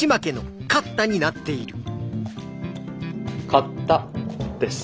「買った」です。